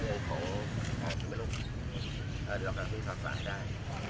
ที่กำลังมีการเปิดการการจัดการ